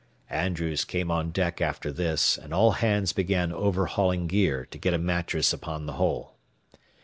Andrews came on deck after this, and all hands began overhauling gear to get a mattress upon the hole.